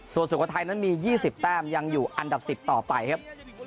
ส่วนสุโขทัยนั้นมี๒๐แต้มยังอยู่อันดับ๑๐ต่อไปครับ